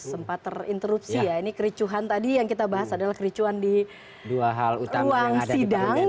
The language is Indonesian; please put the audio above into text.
sempat terinterupsi ya ini kericuhan tadi yang kita bahas adalah kericuan di ruang sidang